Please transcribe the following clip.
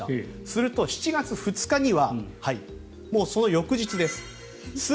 すると、７月２日にはもうその翌日です。